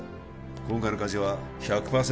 今回の火事は １００％